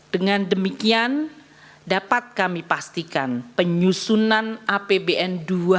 dengan demikian dapat kami pastikan penyusunan apbn dua ribu dua puluh